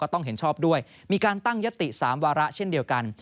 ต้องเห็นชอบด้วยมีการตั้งยติ๓วาระเช่นเดียวกัน